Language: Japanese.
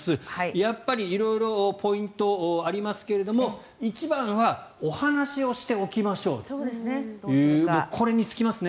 やっぱり色々ポイントありますけれども一番はお話をしておきましょうとこれに尽きますね。